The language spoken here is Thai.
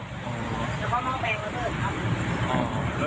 เดี๋ยวก็ม่อแปงละเบิด